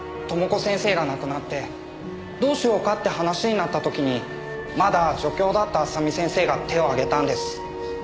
知子先生が亡くなってどうしようかって話になった時にまだ助教だった麻美先生が手を挙げたんです。